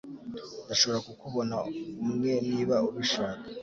Ndashobora kukubona umwe niba ubishaka